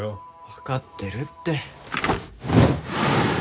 分かってるって。